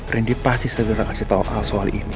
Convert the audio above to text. rendy pasti segera kasih tau al soal ini